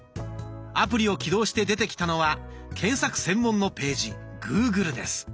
アプリを起動して出てきたのは検索専門のページ「グーグル」です。